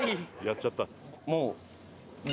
やっちゃった。